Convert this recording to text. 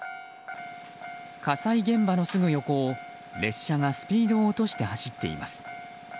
火災現場のすぐ横を列車がスピードを落として走っています。